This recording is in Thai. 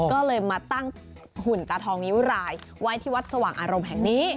ก็เลยมาตั้งหุ่นตาทองนิ้วรายไว้ที่วัดสว่างอารมณ์แห่งนี้